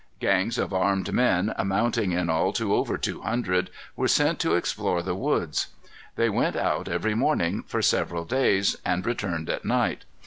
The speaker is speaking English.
Gangs of armed men, amounting in all to over two hundred, were sent to explore the woods. They went out every morning, for several days, and returned at night.